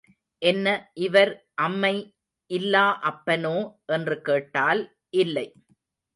என்ன இவர் அம்மை இல்லா அப்பனோ என்று கேட்டால், இல்லை.